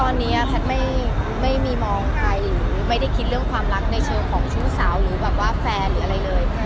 ตอนนี้แพทย์ไม่มีมองใครหรือไม่ได้คิดเรื่องความรักในเชิงของชู้สาวหรือแบบว่าแฟนหรืออะไรเลย